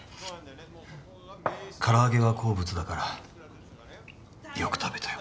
から揚げは好物だからよく食べたよ。